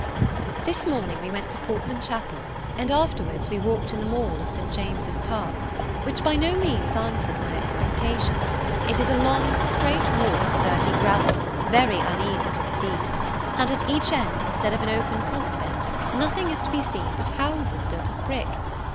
This morning we went to Portland chapel; and afterwards we walked in the mall of St. James's Park, which by no means answered my expectations: it is a long straight walk of dirty gravel, very uneasy to the feet; and at each end instead of an open prospect, nothing is to be seen but houses built of brick.